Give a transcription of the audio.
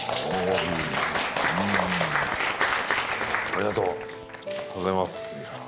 ありがとうございます。